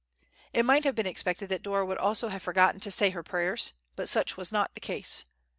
It might have been expected that Dora would also have forgotten to say her prayers, but such was not the case.